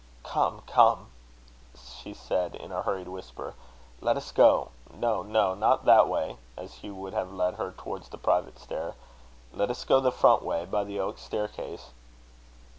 "Come, come," she said, in a hurried whisper. "Let us go no, no, not that way;" as Hugh would have led her towards the private stair "let us go the front way, by the oak staircase."